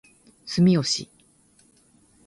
住吉